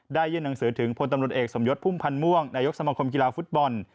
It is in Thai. ยื่นหนังสือถึงพลตำรวจเอกสมยศพุ่มพันธ์ม่วงนายกสมคมกีฬาฟุตบอล